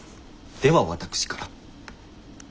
では私から。